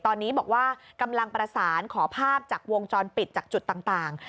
ตอนนี้บอกว่ากำลังประสานขอภาพจากวงจรปิดจากจุดต่าง